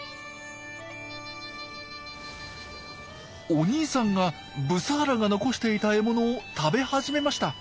お兄さんがブサーラが残していた獲物を食べ始めました。